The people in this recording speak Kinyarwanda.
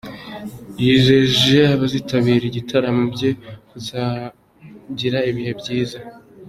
Yijeje abazitabira ibitaramo bye kuzagira ibihe byiza.